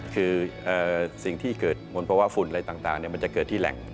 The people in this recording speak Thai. คือสิ่งที่เกิดบนภาวะฝุ่นอะไรต่างมันจะเกิดที่แหล่ง